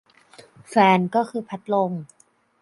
แฟนก็คือพัดลม